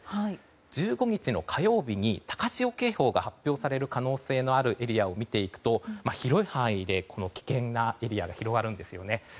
１５日の火曜日に高潮警報が発表される可能性のあるエリアを見ていくと広い範囲で危険なエリアが広がるんですね。